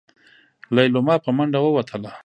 ليلما په منډه ووتله.